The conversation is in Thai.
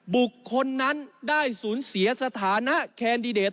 บุคคลนั้นได้สูญเสียสถานะแคนดิเดต